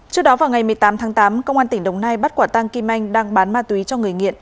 trước đó vào ngày một mươi tám tháng tám công an tỉnh đồng nai bắt quả tăng kim anh đang bán ma túy cho người nghiện